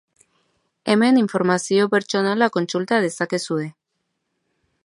Hemen informazio pertsonala kontsulta dezakezue.